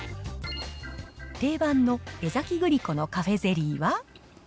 定番の江崎グリコのカフェゼリーは。